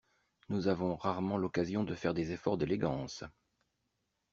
Nous avons rarement l’occasion de faire des efforts d’élégance.